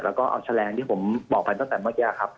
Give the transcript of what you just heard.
แล้วก็เอาแฉลงที่ผมบอกไปตั้งแต่เมื่อกี้ครับ